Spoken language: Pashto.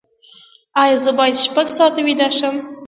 ایا زه باید شپږ ساعته ویده شم؟